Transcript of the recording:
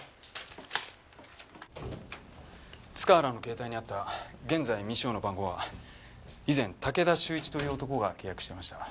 塚原の携帯にあった現在未使用の番号は以前武田修一という男が契約してました。